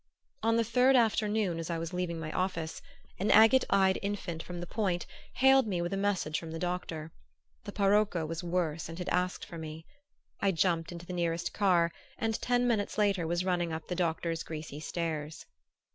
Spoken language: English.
On the third afternoon, as I was leaving the office, an agate eyed infant from the Point hailed me with a message from the doctor. The parocco was worse and had asked for me. I jumped into the nearest car and ten minutes later was running up the doctor's greasy stairs.